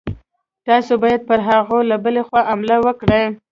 تاسي باید پر هغوی له بلې خوا حمله وکړئ.